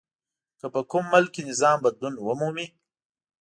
که په کوم ملک کې نظام بدلون ومومي.